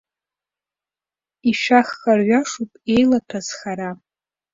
Ишәахха рҩашуп еилаҭәаз хара.